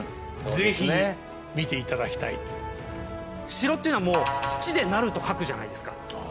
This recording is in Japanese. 城というのはもう土で成ると書くじゃないですか。